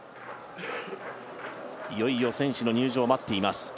いよいよ選手の入場を待っています。